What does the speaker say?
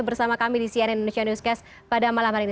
bersama kami di cnn indonesia newscast pada malam hari ini